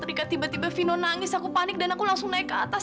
itu banyak banget alasannya